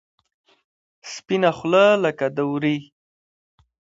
سپینه خوله لکه د ورې.